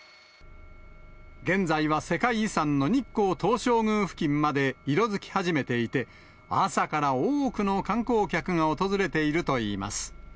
現在は世界遺産の日光東照宮付近まで色づき始めていて、朝から多くの観光客が訪れているといいます。